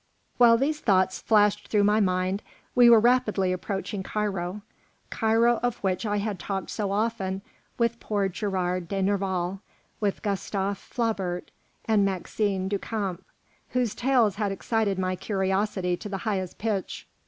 While these thoughts flashed through my mind we were rapidly approaching Cairo, Cairo, of which I had talked so often with poor Gérard de Nerval, with Gustave Flaubert, and Maxime Du Camp, whose tales had excited my curiosity to the highest pitch.